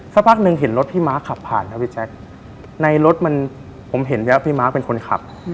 สักพักหนึ่งเห็นรถพี่ม้าขับผ่านครับพี่แจ๊คในรถมันผมเห็นแล้วพี่ม้าเป็นคนขับ